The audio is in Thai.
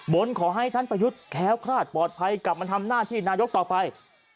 ขอให้ท่านประยุทธ์แค้วคลาดปลอดภัยกลับมาทำหน้าที่นายกต่อไป